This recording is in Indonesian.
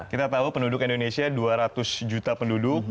kita tahu penduduk indonesia dua ratus juta penduduk